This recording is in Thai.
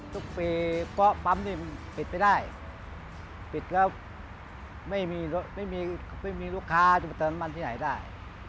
ทุกปีได้ติดก็ไม่มีลูกค้าต้องเติมน้ำมันที่ไหนได้